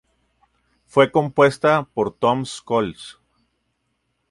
Fue compuesta por Tom Scholz.